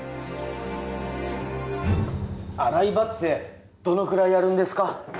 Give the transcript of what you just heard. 洗い場ってどのくらいやるんですか？